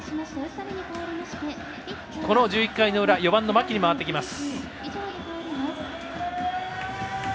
この１１回の裏４番の牧に回ってきます。